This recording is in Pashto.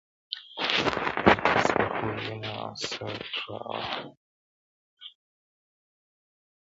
ته جرس په خوب وینه او سر دي ښوروه ورته-